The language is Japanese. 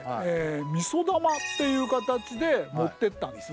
みそ玉っていう形で持ってったんですね。